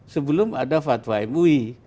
sebelum ada fatwa mui